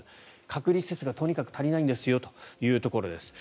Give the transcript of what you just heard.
隔離施設がとにかく足りないんですよというところです。